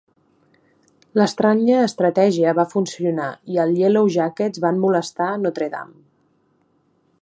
L'estranya estratègia va funcionar i el Yellow Jackets van molestar Notre Dame.